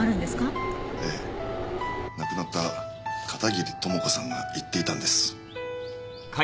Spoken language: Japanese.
ええ亡くなった片桐朋子さんが言っていたんです。